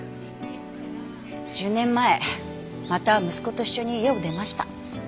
１０年前また息子と一緒に家を出ました。